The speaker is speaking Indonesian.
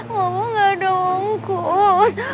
mama gak ada angkut